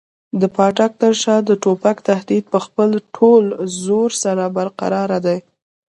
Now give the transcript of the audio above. د پاټک تر شا د توپک تهدید په خپل ټول زور سره برقراره دی.